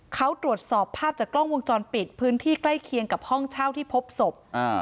เขาตรวจสอบภาพจากกล้องวงจรปิดพื้นที่ใกล้เคียงกับห้องเช่าที่พบศพ